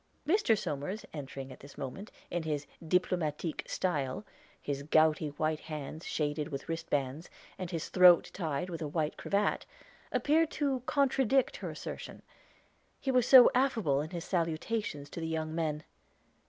Mr. Somers entering at this moment, in his diplomatique style, his gouty white hands shaded with wristbands, and his throat tied with a white cravat, appeared to contradict her assertion, he was so affable in his salutations to the young men.